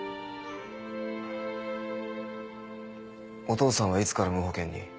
お父さんはいつから無保険に？